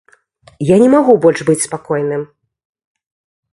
Я не магу больш быць спакойным.